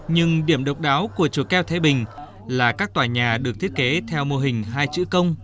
nhưng điểm độc đáo của chùa keo thái bình là các tòa nhà được thiết kế theo mô hình hai chữ công